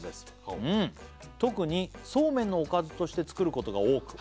ほう「特にそうめんのおかずとして作ることが多く」